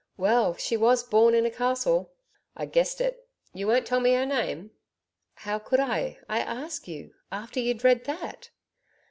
'Well, she WAS born in a castle.' 'I guessed it.... You won't tell me her name?' 'How could I I ask you? After you'd read that!'